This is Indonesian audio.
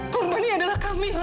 korbannya adalah kamila